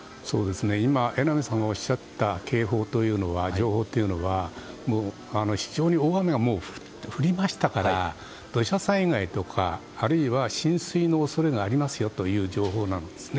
今、榎並さんがおっしゃった警報、情報というのは非常に大雨が降りましたから土砂災害とか、あるいは浸水の恐れがありますよという情報なんですね。